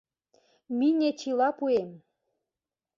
Мине чила пуэм.